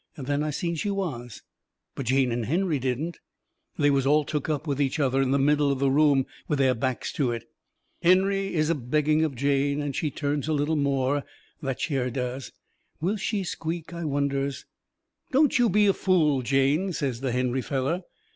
Then I seen she was. But Jane and Henry didn't. They was all took up with each other in the middle of the room, with their backs to it. Henry is a begging of Jane, and she turns a little more, that chair does. Will she squeak, I wonders? "Don't you be a fool, Jane," says the Henry feller.